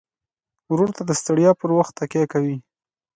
ورور ته د ستړیا پر وخت تکیه کوي.